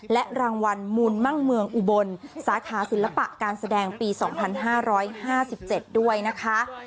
และรางวัลมูลมั่งเมืองอุบลสาขาศิลปะการแสดงปี๒๕๕๗ด้วยนะคะ